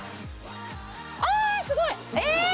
あすごい！